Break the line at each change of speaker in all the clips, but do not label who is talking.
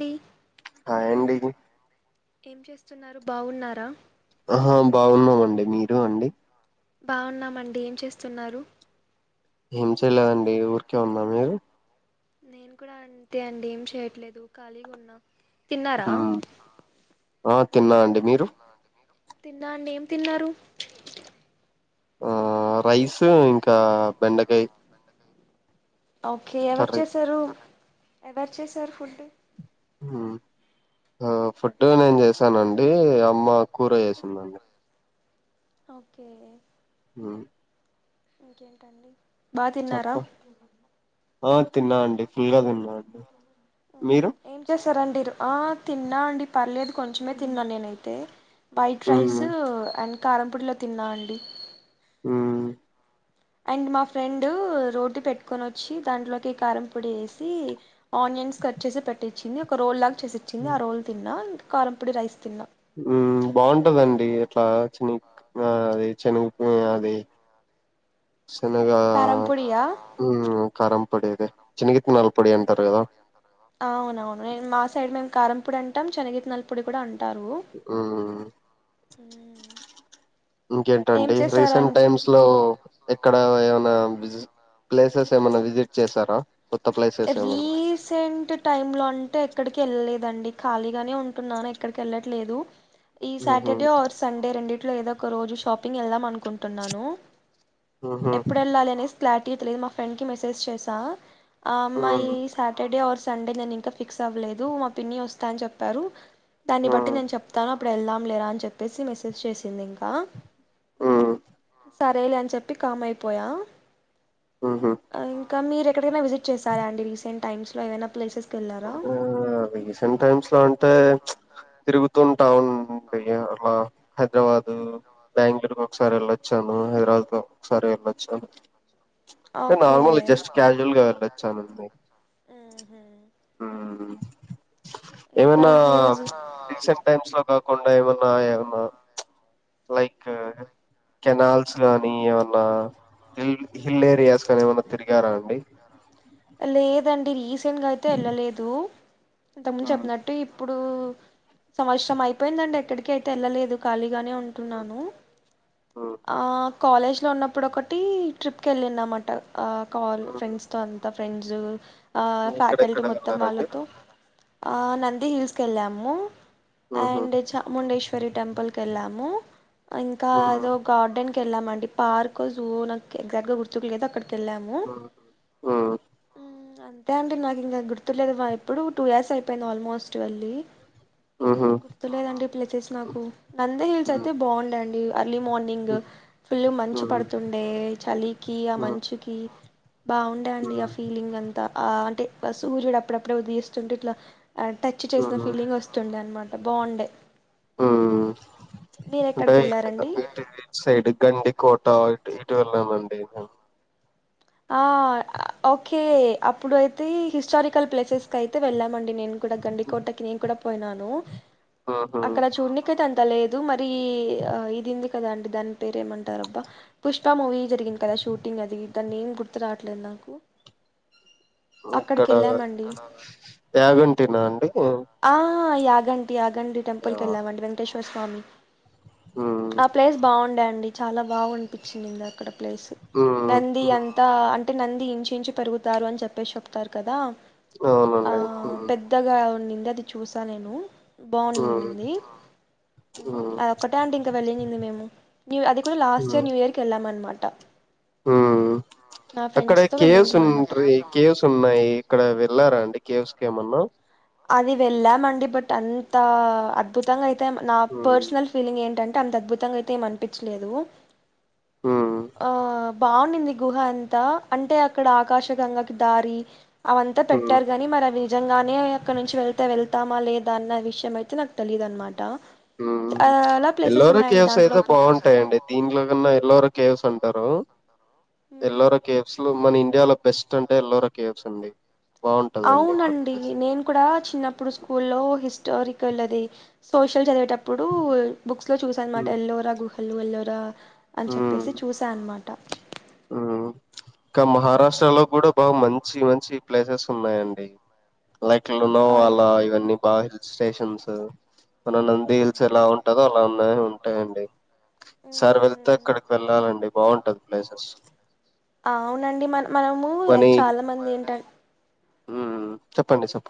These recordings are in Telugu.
డి
హాయ్ అండి
ఏం చేస్తున్నారు బావున్నారా
ఆహా బాగున్నామండి మీరు అండి
బావున్నామండి ఏం చేస్తున్నారు
ఏం చేయలేదండి ఊరికే ఉన్న మీరు
నేను కూడా అంతే అండి ఏం చేయట్లేదు ఖాళీగా ఉన్నా తిన్నారా
ఆ తిన్నా అండి మీరు
తిన్నా అండి ఏం తిన్నారు
ఆ రైస్ ఇంకా బెండకాయ
ఓకే ఎవరు
కర్రీ
చేశారు ఎవరు చేసారు ఫుడ్
ఆ ఆ ఫుడ్ నేను చేసానండి అమ్మ కూర చేసిందండి
ఓకే
ఆ
ఇంకేంటండి బా
చెప్ప
తిన్నారా
ఆ తిన్నా అండి ఫుల్గా తిన్నా అండి మీరు
ఏం చేశారండి ఆ తిన్నా అండి పర్లేదు కొంచమే తిన్నా నేనయితే వైట్ రైస్ అండ్ కారంపూడిలో తిన్నా అండి
ఆ
అండ్ మా ఫ్రెండ్ రోటీ పెట్టుకొని వచ్చి దాంట్లోకి కారం పొడి వేసి ఆనియన్ ఆనియన్స్ కట్ చేసి పెట్టించింది ఒక రోల్ లాగా చేసిచ్చింది ఆ రోల్ తిన్నా కారంపొడి రైస్ తిన్నా
ఉమ్ బాగుంటదండి ఇట్లా చిని అది చెనుగు అది శనగ
కారంపొడియా
ఉమ్
చెనిగిత్తనాల
కారంపొడి [inaudible]
అవునవును నేను మా మా సైడ్ మే కారం పొడి అంటాం చెనిగిట్టనల పొడి కూడా అంట
ఆ
ఏం
ఇంకేంటండి రీసెంట్
చేశారండి
టైమ్స్ లో ఎక్కడ ఏమనా జ ప్లేసెస్ ఏమైన్నా విజిట్ చేసారా
రీసెంట్ టైమ్ లో అంటే ఇక్కడికి వెళ్ళలేదండి ఖాళీగానే ఉంటున్నాను ఎక్కడికి వెళ్ళట్లేదు ఈ
ఉహు
సాటర్డే ఆర్ సండే రెండిట్లో ఏదో ఒక రోజు షాపింగ్ వెళ్దాం అనుకుంటున్నాను
ఉహు
ఎప్పుడు వెళ్ళాలి అనేసి క్లాటీగా తెలిదు మా ఫ్రెండ్కి మెసేజ్ చేసా ఆ అమ్మాయి
ఉమ్
సాటర్డే ఆర్ సండే నేను ఇంకా ఫిక్స్ అవ్వలేదు మా పిన్ని వస్తా అని చెప్పారు దాన్ని బట్టి
ఉమ్
నేను చెప్తాను అప్పుడు వెళ్దాం లేరా అని చెప్పేసి మెసేజ్ చేసింది ఇంకా
ఆ
సరేలే అని చెప్పి కామ్ అయిపోయా
ఆహా
ఇక మీరు ఎక్కడైనా విసిట్ చేశారాండి రీసెంట్ టైమ్స్ లో ఏదైనా
ఆ రీసెంట్ టైమ్స్ లో అంటే తిరుగుతుంటాం అండి అలా హైదరాబాదు బెంగళూరుకి ఒకసారి వెళ్ళచ్చ వచ్చాను హైదరాబాద్ ఒకసారి వెళ్ళొచ్చాను అంటె
ఓకే
నార్మల్ జస్ట్ క్యాజువల్ గా వెళ్ళొచ [inaudible]
ఉహు
ఆ
ఇంకా
ఏమన్నా
ఈరోజు
రీసెంట్ టైమ్స్ లో కాకుండా ఏమన్నా ఏమన్నా లైక్ కెనాల్స్ గానీ ఏమన్నా [inaudible] హిల్ ఏరియాస్ కాని ఏమన్నా తిరిగారా అండి
లేదండి రీసెంట్ గా అయితే వెళ్ళలేదు ఇంతకుముందు
హ్మ్
చెప్పినట్టు ఇప్పుడు సంవత్సరం అయిపోయిందండి ఎక్కడికి అయితే వెళ్ళలేదు ఖాళీగానే ఉంటున్నాను
హ్మ్
ఆ కాలేజ్లో ఉన్నప్పుడు ఒకటి ట్రిప్కి వెళ్ళినం అట కాల్
హ్మ్
ఫ్రెండ్స్తో అంతా ఫ్రెండ్స్ ఆ ఫ్యాకల్టీ
ఎక్కడెక్కడ
మొత్తం
వెళ్లారండి
వాళ్ళతో ఆ నంది హిల్స్కి వెళ్ళాము
హ్మ్ హ్మ్
అండ్ చాముండేశ్వరి టెంపుల్ కే వెళ్ళాము ఇంకా అదో గార్డెన్ వెళ్ళామండి పార్క్ జ నాకు ఎగ్జాక్ట్ గా గుర్తుకు లేదుో అక్కడికి వెళ్ళాము
హ్మ్ హ్మ్
అంతే అండి నాకు ఇంకా గుర్తులేదు ఎప్పుడు టూ ఇయర్స్ అయిపోయింది ఆల్మోస్ట్ ఇట్వల్లి
ఊహూ
గుర్తులేదండి ప్లేసెస్ నాకు నంది హిల్స్
హ్మ్
అయితే బాగుండండి అర్లీ మార్నింగ్
హ్మ్
ఫుల్లు మంచు
హ్మ్
పడుతుండే చలికి ఆ
హ్మ్
మంచుకి బాగుండే అండి ఆ ఫీలింగ్ అంతా ఆ అంటే సూర్యుడు అప్పుడప్పుడే ఉదిస్తుంటే ఇట్లా టచ్
హ్మ్
చేసిన ఫీలింగ్ వస్తుండే అనమాట బాగుండే మీరు ఎక్కడికి
అంట
వెళ్ళారండి
ఇటు సైడ్ గండి కోట్ ా ఇటు వెళ్లమండి
ఆ ఓకే అప్పుడుయితే హిస్టారికల్ ప్లేసెస్కి అయితే వెళ్ళామండి నేను కూడా గండి కోటాకి నే కూడా పోయినాను
ఊహూ
అక్కడ చూ అ లేదు మరి ఆ ఇదింది కదా అండి దాని పేర ఏమంటారు అబ్బా పుష్ప మూవీ జరిగింది కదా షూటింగ్ అది దాన్ని ఏం గుర్తు రావట్లేదు నాకు అక్కడికి
ఇక్కడ
వెళ్ళామండి
యాగంటినా అండి
ఆ ఆ యాగంటి యాగంటిి టెంపుల్
యా
క వెళ్ళామండి వెంకటేశ్వర స్వామి
హ్మ్
ఆ ప్లేస్ బాగుండేండి చాలా బాగు అనిపించిందింది అక్కడ ప్లేస్
హ్మ్
అంది అంతా అంటే నంది ఇంచిు ఇంచి పెరుగుతారు అని చెప్పేసి చెప్తారు కదా ఆ
అవునండి హ్మ్
పెద్దగా ఉన్నింది అది చూసా నేను
హ్మ్
బాగుందింది
హ్మ్
అదొక్కటే అంటే ఇంకా వెళ్ళంది మేము న్ూ అది కూడా లాస్ట్ ఇయర్
హ్మ్
న్యూ ఇయర్ వెళ్ళమనమాట
అక్కడ కేవ్స్
వెళ్ళింటిమి
ఉంట
అనమాట
కేవ్స్ ఉన్నాయి ఇక్కడ వెళ్ళారా అండి కేస్కేమన్నా
అది వెళ్ళామండి బట్ అంత అద్భుతంగా అయితే నా
హ్మ్
పర్సనల్ ఫీలింగ్ ఏంటంటే అే అంత అద్భుతంగా అయితే ఏమ అనిపించలేదు
హ్మ్
ఆ బాగున్నింది గుహ అంతా అంటే అక్కడ ఆకాశగంగకి దారి అవంతా
హ్మ్
పెట్టారుగాని మరి అవి నిజంగానే అక్కడ నుంచి వెళ్తే వెళ్త స్తామా లేదా అన్న విషయం అయితే నాకు తెలీదు అనమాట
ఎల్లోర కేవ్స్
దాంట్లో
అయితే బాగుంటాయండి దీంట్లో కన్నా ఎల్లోర కేవ్స్ అంటా ారు
ఊహు
ఎల్లోరా కేవ్స్ లో మన ఇండియాలో బెస్ట్ అంటే ఎల్లోరా కేవ్స్ అండి బాగుంటదండి ఇక్కడ
అవునండి
ప్లేస్
నేను కూడా చిన్నప్పుడు స్కూల్లో హిస్ట హస్టారికల్ అది సోషల్ చదివేటప్పుడు బుక్స్ లో చూసా అనమాట
హ్మ్
ఎల్లోరఘు వల్లోరా అని
హ్మ్
చెప్పేసి చూసా అనమాట
ఇకా
హ్మ్.
మహారాష్ట్రలో కూడా బాగా మంచి మంచి ప్లేసెస్ ఉన్నాయండి లైక్కలు ఉన్నావు అలా ఇవన్నీ బాగా స్టేషన్స్ మన నంది హిల్స్ ఎలా ఉంటందో అలా ఉన్నాయి ఉంటాయండి సార్ వెళ్తే అక్కడికి వెళ్ళాలండి బాగుంటంది ప్లేసెస్
అవునండి మన
మనీ
మనముక్ చాలా మంది ఏంట
చెప్పండి చెప్ప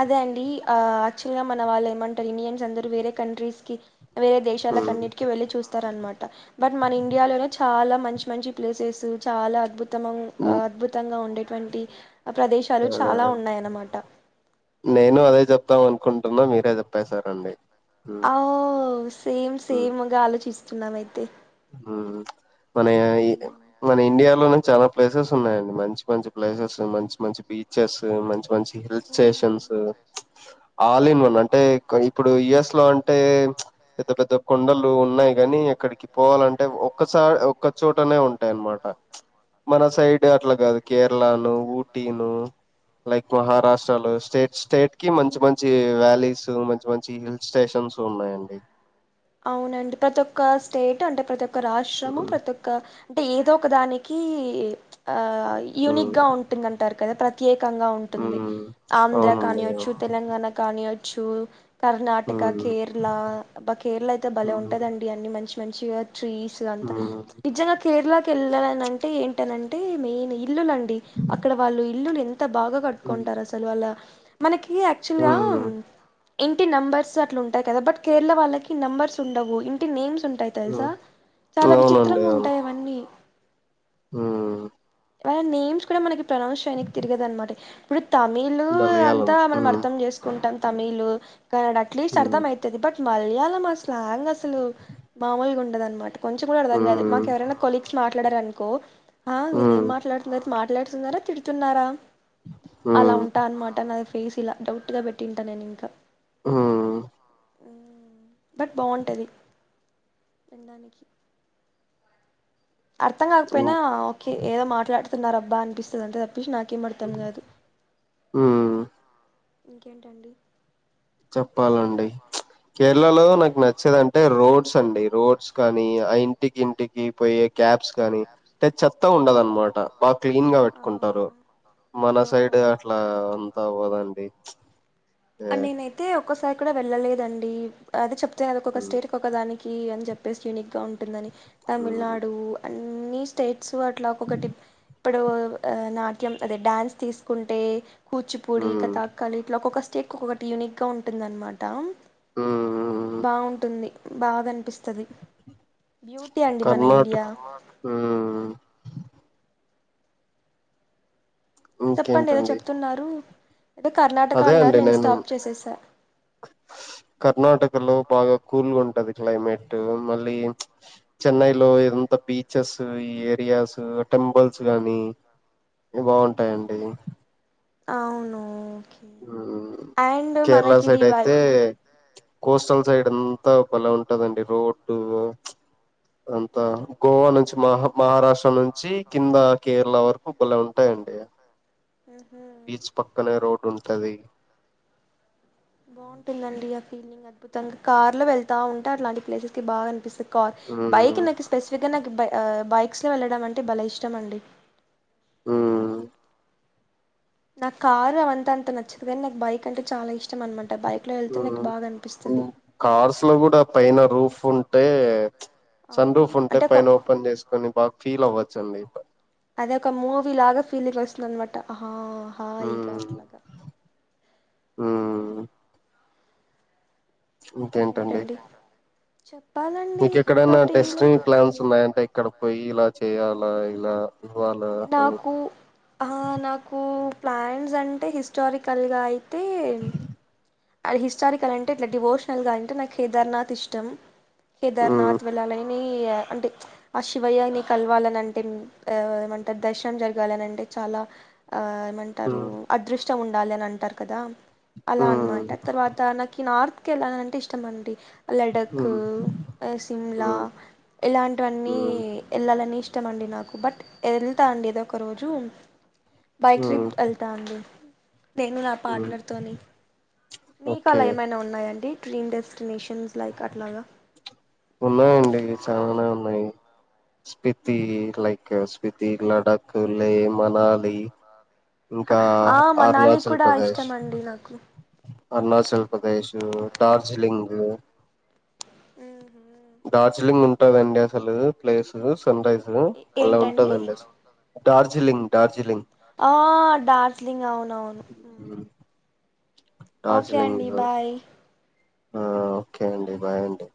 అదే అండి యాక్చువల్గా మన వాళ్ళు ఏమంటారు ఇూనియన్స్ అందరూ వేరే కంట్రీస్కి వేరే దేశాలకు
మ్మ్
అన్నింటిక వెళ్ళి చూస్తార అనమాట బట్ మన ఇండియాలోనే చాలా మంచి మంచి మంచి ప్లేసెస్ చాలా అద్భుత
మ్మ్
అద్భుతంగా ఉండేటువంటి ప్రదేశాలు చాలా ఉన్నాయన్నమాట
నేను అదే చెప్తాం అనుకుంటున్నా మీరే చెప్పేశారండి. మ్మ్
అ ఓ సేమ్ సేమ్గా ఆలోచిస్తున్నాము అయితే
ఊ మన ఏ
మన
మన ఇండియా లోనా చాలా ప్లేసెస్ ఉన్నాయండి మంచి మంచి ప్లేసెస్ మంచి మంచి బీచెస్ మంచి మంచి ఈ హృచషన్స్ ఆల్ ఇన్ వన్ అంటే ఎక్కో ఇప్పుడు యుఎస్ లో అంటే ప్చ్ పెద్ద పెద్ద కొండలు ఉన్నాయి కాని ఎక్కడికి పోవాలంటే ఒక్క స ఒక్క చోటనే ఉంటాయి అనమాట ప్చ్ మన సైడ్ అట్లా కాదు కేరళనో ఊటీనో లైక్ మహారాష్ట్రాలో స్టేట్ స్టేట్ కి మంచి మంచి వ్యాలీస్ మంచి మంచి హిల్ స్టేషన్ సు ఉన్నాయండి.
అవునండి ప్రతి ఒక్క స్టేట్ టే అంట ప్రతి ఒక్క రాష్ట్రము
ఉమ్
ప్రతి ఒక్క అంటే ఏదో ఒక దానికి ప్చ్ ఆ యూనిక్
ఉమ్
గా ఉంటుందంటారు కదా ప్రతి కంగా ఉంటుంది
ఉమ్
ఆంధ్ర
అవునండి
కానియచ్చు తెలంగాణ కానియచ్చు కర్ణాటక
ఉమ్
కేరళ అబ కేరళ అయితే భలే
ఉమ్
ఉంటుదండి అన్ని మంచి మంచిగా ట్రీస్ ఊ అంత
ఉమ్
కేరళకి వెళ్ళాలని అంటే ఏంటనంటే మెయిన్ ఇల్లులండి అక్కడ వాళ్ళు ఇల్లులు ఎం ఎంత బాగా
ఉమ్
కట్టుకుంటారు అసలు వాళ్ళ మనకి యాక్చువల్ గా
ఉమ్
ఇంటి నంబర్స్ అట్ల ఉంటాయి కదా బట్ కేరళ వాళ్ళకి నెంబర్స్ ఉండవు ఇంటి నేమ్స్ ఉంటాయి తెలుసా
ఉమ్
చాలా విచిత్రంగా ఉంటాయి అవన్నీ
ఓ
వాళ్ళ నేమ్స్ కూడా మనకి ప్రనౌన్స్ చేయనికి తిరగదనమాట తమిళు
మలయాళం
అంతా మనం
ఉమ్
అర్థం చేసుకుంటాం తమిళు కన్నడ అట్లీస్ట్
ఉమ్
అర్థం ఐతది బట్ మళయాళ మా స్లాంగ్ అసలు మామూలుగా ఉండదన్నమాట కొంచెం కూడా అర్థం కాదు మాకు
ఉమ్
ఎవరనా కొలీగ్స్ మాట్లాడారనుకో ఆ
ఊ
వీళ్ళు ఏం మాట్లాడుతున్నారు మాట్లాడుతున్నారా తిడుతున్నారా అలా
ఉమ్
ఉంటా అన్నమాట నా ఫ్ ఫేస్ ఇలా డౌట్ గా పెట్టింటా నేను ఇంకా
ఊ
ఊ బట్ బాంటది తిండానికి అర్థం కాకపోయినా
ఉమ్
ఓకే ఏదో మాట్లాడుతున్నారబ్బా అనిపిస్తుది అంతే పిష్ నాకేం అర్ధం కాదు
ఉమ్,
ఇంకేంటండి.
చెప్పాలండి ప్చ్ కేరళలో నాకు నచ్చేదంటే రోడ్స్ అండి రోడ్స్ కానీ ఆ ఇంటికి ఇంటికి పోయే క్యాబ్స్ కానీ అంటే చెత్త ఉండదు అనమాట బాగా క్లీన్ గా పెట్టుకుంటారు మన సైడ్ అట్లా ఆ అంత అవ్వదండి ఏ
అ నేనైతే ఒక్కసారి కూడా వెళ్ళలేదండి అదే చెప్తనే అది చెప్తే కదా ఒకొక్క
ఉమ్
స్టేట్కి ఒకదాని కి అని చెప్పేసి యునిక్ గా ఉంటుందని
ఉమ్
తమిళనాడు అన్ని స్టేట్స్ అట్లా ఒకొకటి ఇప్పుడు ఆ నాట్యం అదే డాన్స్ తీసుకుంటే కూచిపూడి
ఉమ్
కతాక్కళి ఇట్లా ఒక్కొక్క స్టేక్ ఒక్కొక్కటి యూనిక్గా ఉంటుందన్నమాట.
ఉమ్
బాగుంటుంది బాగానిపిస్ తది బ్యూటీ అండి మన ఇండియా
కర్ణాటక ఉమ్
చెప్పండి ఏదో
ఇంకేంటండి
చెప్తున్నారు. ఏదో కర్ణాటక
అదే
అన్నారు
అండి నేను
స్టాప్ చేసేసా
కర్ణాటకలో బాగా కూల్ గా ఉంటది క్లైమేట్ మళ్ళీ చెన్నై లో ఎదంత బీచెస్ ఏరియాస్ టెంపుల్స్ గానీ బాగుంటాయండి
అవును ఓకే
మ్
అండ్
కేరళ
మనకి ఇది
సైడ్
వై
అయితే కోస్టల్ సైడ్ అంతా బలే ఉంటదండి రోడ్డు అంతా గోవా నుంచి మహ మహారాష్ట్ర నుంచి కింద కేరళ వరకు బలే ఉంటాయం డి
ఉహు
బీచ్ పక్కనే రోడ్డు ఉంటది
బాగుంటుందండి ఆ ఫీలింగ్ అద్భుతంగా కార్ లో వెళ్తా ఉంటే ఆలాంటి ప్లేసెస్ కి బాగా అనిపిస్తది ార్
మ్మ్
బైక్ నాకు స్పెసిఫిక్ గా నాక బ్ బైక్స్ లో వెళ్ళడం అంటే బాలే ఇష్టం అండి
ఆ
నాక్ కార్ అవంతా అంత నచ్చదు కానీ నాకు బైక్ అంటే చాలా ఇష్టం అనమా ట్లో వెళ్తే నాకు బాగా అనిపిస్తది
మ్ కార్స్లో కూడా పైన రూఫ్ ఉంటే
ఆ
సన్ రూఫ్ ఉంటే
అంటే ఒక
పైన ఓపెన్ చేసుకుొని బాగా ఫీల్ అవ్వచ్చండి ప్
అదే ఒక మూవీ లాగా ఫీలింగ్ వస్తుందన్నమాట ఆహా హాయిగ అట్లాగా
మ్
ఇంకేంటండి చెప్
ఇంక్కేక్కడన్న డెస్టిని ప్లాన్స్ ఉన్నాయ అంటే ఇక్కడ పోయి ఇలా చేయాలా ఇలా ఇవ్వాలా అని
నాకు అ నాకు ప్లాన్స్ అంటే హిస్టారికల్గా అయితే అది హిస్టారికల్ అంటే ఇట్లా డివోషనల్గా అంటే నాకు కేదార్నాథ్ ఇష్టం
మ్మ్
కేదార్నద్ వేల్లలని అంటే ఆ శివయ్యని కలవాలని అంటే అ ఏమంటారు దర్శనం జరగాలని అంటే చాలా ఆ అంటారు అదృష్టం ఉండాలి అని అంటారు కదా అలా అనమాట తర్వాత నాకు నార్త్ ెళ్ళాలంటే ఇష్టమండి లడక్ సిమ్లా ఇలాంటివన్నీ వెళ్ళాలని ఇష్ ఇష్టమండి నాకు బట్ వెళ్తా అండి ఏదో ఒక రోజు బైక్ ట్రిప్ వెళ్తా అండి నేను నా పార్ట్నర్తోని మీకు
ఓకే
అలా ఏమైనా ఉన్నాయండి డ్రీమ్ డెస్టినేషన్ న్స్ లీక్ అట్లాగా
ఉన్నాయండి చాలానే ఉన్నాయి స్ఫీతి ైక్ స్ఫీతి లడక్ లే మనాలీ ఇంకా
ఆ మనాలి
అరుణాచల్
కూడా
ప్రదేశ్
ఇష్టం అండి నాకు
అరుణాచల్ ప్రదేశ్ డార్జిలింగ్ డార్జిలింగ్ ఉంటదండి అసలు ప్లేస్ సన్ రైస్ బలే
ఏంటండి
ఉంటదండి అస
ఆ దార్జిలింగ్ అవునవును అ ఓకే
డార్జిలింగ్
అండి బాయ్
ఆ ఓకే అండి బాయ్ అండి